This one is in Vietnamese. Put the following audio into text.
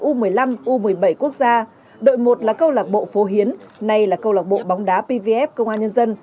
u một mươi năm u một mươi bảy quốc gia đội một là câu lạc bộ phố hiến nay là câu lạc bộ bóng đá pvf công an nhân dân